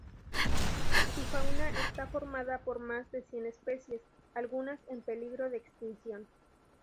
Su fauna está formada por más de cien especies, algunas en peligro de extinción.